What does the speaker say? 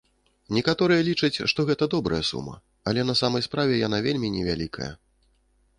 Некаторыя лічаць, што гэта добрая сума, але на самай справе яна вельмі невялікая.